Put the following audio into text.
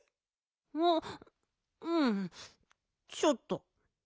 あっうんちょっと。